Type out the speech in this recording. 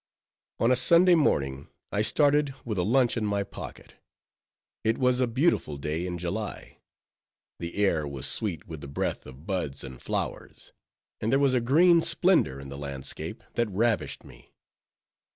On a Sunday morning I started, with a lunch in my pocket. It was a beautiful day in July; the air was sweet with the breath of buds and flowers, and there was a green splendor in the landscape that ravished me.